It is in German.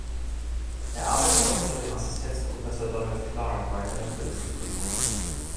Er arbeitet auch unter dem Assistenzprofessor Donald Clark weiterhin für das Institut.